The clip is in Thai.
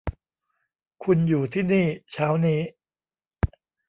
คุณอยู่ที่นี่เช้านี้